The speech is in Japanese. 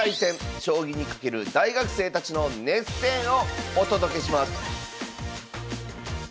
将棋に懸ける大学生たちの熱戦をお届けします